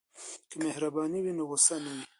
که مهرباني وي نو غوسه نه وي.